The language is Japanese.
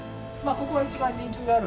ここは一番人気があるんでね。